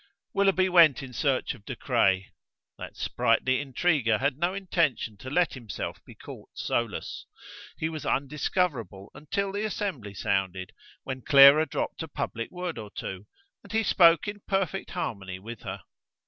Willoughby went in search of De Craye. That sprightly intriguer had no intention to let himself be caught solus. He was undiscoverable until the assembly sounded, when Clara dropped a public word or two, and he spoke in perfect harmony with her.